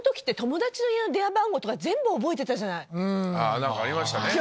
何かありましたね。